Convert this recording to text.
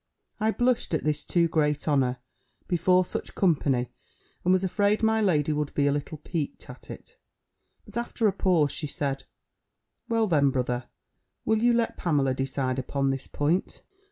I blushed at this too great honour, before such company, and was afraid my lady would be a little picqued at it. But after a pause, she said, "Well, then, brother, will you let Pamela decide upon this point?"